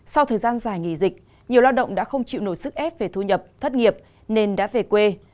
sau thời gian dài nghỉ dịch nhiều lao động đã không chịu nổi sức ép về thu nhập thất nghiệp nên đã về quê